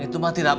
itu mah tidak baik